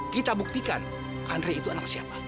kita buktikan andre itu anak siapa